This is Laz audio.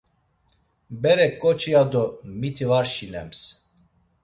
Berek ǩoçi ya do miti var şinems.